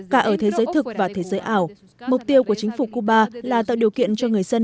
cả ở thế giới thực và thế giới ảo mục tiêu của chính phủ cuba là tạo điều kiện cho người dân